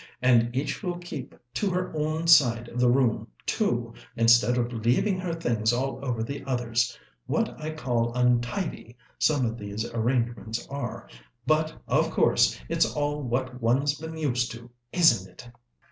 And each will keep to her own side of the room, too, instead of leaving her things all over the other's. What I call untidy, some of these arrangements are. But, of course, it's all what one's been used to, isn't it?"